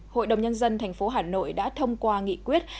hội đồng nhân dân thành phố hà nội đã thông qua nghị quyết